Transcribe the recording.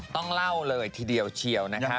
ต้องเล่าเลยทีเดียวเชียวนะคะ